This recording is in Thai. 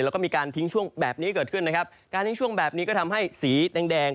แล้วก็มีการทิ้งช่วงแบบนี้เกิดขึ้นนะครับการทิ้งช่วงแบบนี้ก็ทำให้สีแดงแดง